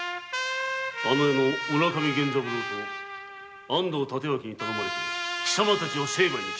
あの世の村上源三郎と安藤帯刀に頼まれ貴様たちを成敗に来た。